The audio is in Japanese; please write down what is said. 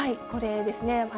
これですね。